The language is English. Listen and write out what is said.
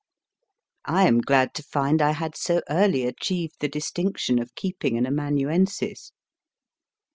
I am glad to find I had so early achieved the distinction of keeping an amanuensis.